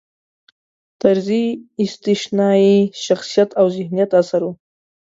طرزی استثنايي شخصیت او ذهینت اثر و.